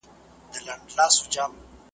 او چي شکر کړي د خدای پر نعمتونو .